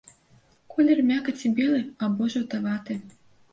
Колер мякаці белы або жаўтаваты.